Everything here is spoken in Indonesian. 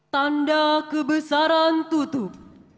tanda kebesaran tutup